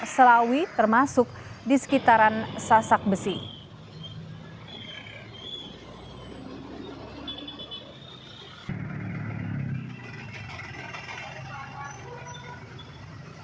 selawi termasuk di sekitaran sasak besi hai hai hai hai hai hai